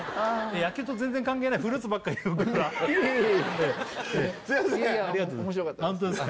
野球と全然関係ないフルーツばっか言うからいえいえすいません面白かったです